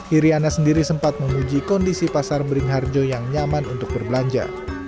iryana sendiri sempat menguji kondisi pasar beringharjo yang nyaman untuk berbelanja